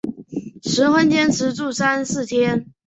十分坚持住三四天